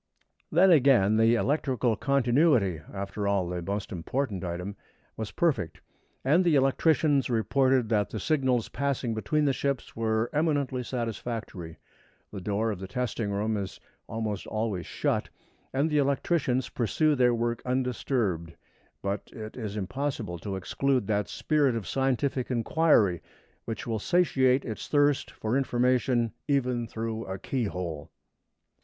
Then again, the electrical continuity after all, the most important item was perfect, and the electricians reported that the signals passing between the ships were eminently satisfactory. The door of the testing room is almost always shut, and the electricians pursue their work undisturbed; but it is impossible to exclude that spirit of scientific inquiry which will satiate its thirst for information even through a keyhole.